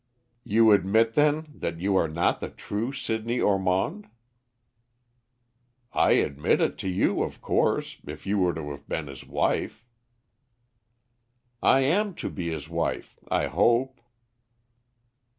"You admit, then, that you are not the true Sidney Ormond?" "I admit it to you, of course, if you were to have been his wife." "I am to be his wife, I hope."